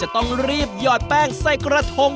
ต้องรีบหยอดแป้งใส่กระทง